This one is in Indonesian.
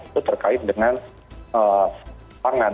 itu terkait dengan pangan